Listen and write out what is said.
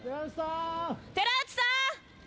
寺内さん。